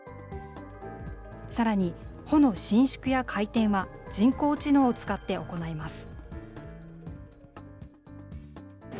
さらに、帆の伸縮や回転は、人工知能を使って行います。